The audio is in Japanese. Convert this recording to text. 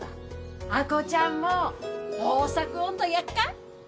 亜子ちゃんも豊作音頭やっか？